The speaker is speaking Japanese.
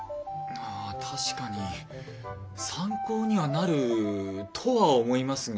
ああ確かに参考にはなるとは思いますが。